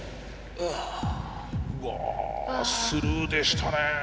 うわスルーでしたね。